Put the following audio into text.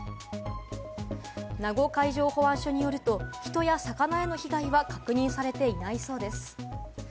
名護海上保安署によると、人や魚への被害は確認されていないそうです。